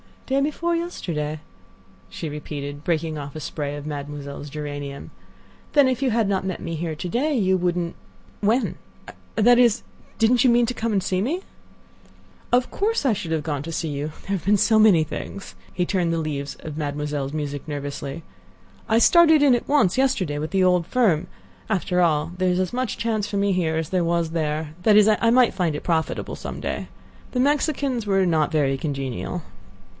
"Day before yesterday," she repeated, breaking off a spray of Mademoiselle's geranium; "then if you had not met me here to day you wouldn't—when—that is, didn't you mean to come and see me?" "Of course, I should have gone to see you. There have been so many things—" he turned the leaves of Mademoiselle's music nervously. "I started in at once yesterday with the old firm. After all there is as much chance for me here as there was there—that is, I might find it profitable some day. The Mexicans were not very congenial."